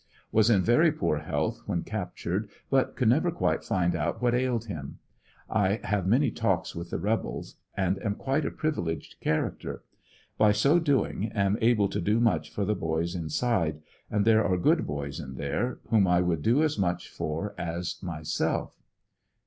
Was in very poor health when captured, but could never quite find out what ailed him. I have many talks with the rebels, and am quite a priveleged charac ter. By so doing am able to do much for the boys inside, and there are good boys in there, whom I would do as much for as myself, Dec.